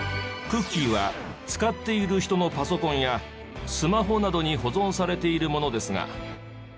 クッキーは使っている人のパソコンやスマホなどに保存されているものですが。